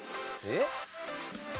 えっ？